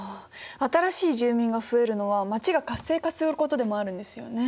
新しい住民が増えるのは街が活性化することでもあるんですよね。